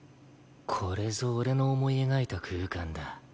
これぞ俺の思い描いた空間だ。